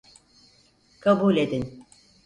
Kabul edin.